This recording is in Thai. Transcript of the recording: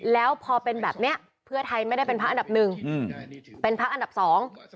แล้วพอเป็นแบบเนี้ยเพื่อไทยไม่ได้เป็นพักอันดับหนึ่งอืมเป็นพักอันดับสอง